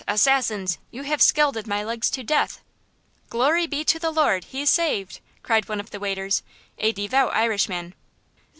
Assassins! You have scalded my legs to death!" "Glory be to the Lord, he's saved!" cried one of the waiters, a devout Irishman.